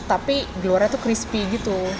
tapi geloranya tuh crispy gitu